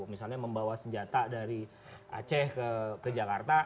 misalnya membawa senjata dari aceh ke jakarta